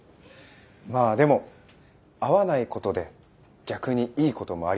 まあでも会わないことで逆にいいこともありますよ。